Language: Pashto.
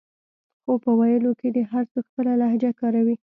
خو په ویلو کې دې هر څوک خپله لهجه کاروي